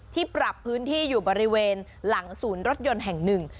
ปรับพื้นที่อยู่บริเวณหลังศูนย์รถยนต์แห่งหนึ่ง